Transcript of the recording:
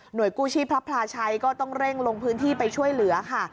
โดยกู้ชีพพระพลาชัยก็ต้องเร่งลงพื้นที่ไปช่วยเหลือค่ะ